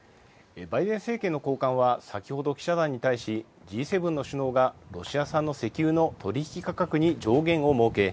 バイデン政権の高官は先ほど記者団に対しＧ７の首脳がロシア産の石油の取引価格に上限を設け